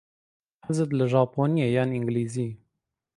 حەزت لە ژاپۆنییە یان ئینگلیزی؟